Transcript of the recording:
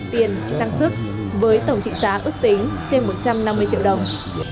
tiền trang sức với tổng trị giá ước tính trên một trăm năm mươi triệu đồng